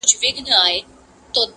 تر لحده به دي ستړی زکندن وي -